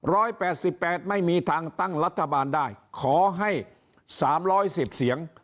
แปดสิบแปดไม่มีทางตั้งรัฐบาลได้ขอให้สามร้อยสิบเสียง